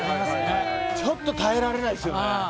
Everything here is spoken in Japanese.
ちょっと耐えられないですよね。